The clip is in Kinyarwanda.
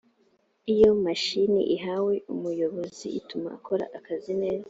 iyo mashini ihabwe umuyoboro itume akora akazi neza